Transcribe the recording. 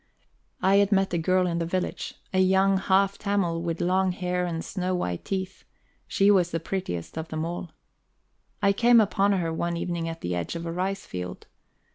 I had met a girl in the village, a young half Tamil with long hair and snow white teeth; she was the prettiest of them all. I came upon her one evening at the edge of a rice field.